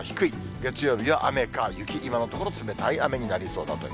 月曜日は雨か雪、今のところ、冷たい雨になりそうだという。